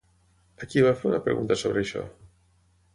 A qui va fer una pregunta sobre això?